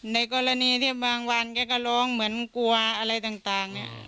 ในกรณีที่บางวันแกก็ร้องเหมือนกลัวอะไรต่างเนี่ย